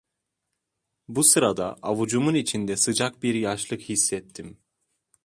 Bu sırada avucumun içinde sıcak bir yaşlık hissettim.